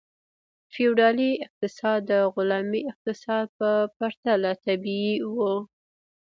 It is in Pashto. فیوډالي اقتصاد د غلامي اقتصاد په پرتله طبیعي و.